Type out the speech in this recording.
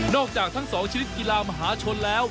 นอกจากทั้งสองชีวิตกีฬามหาชนแล้ว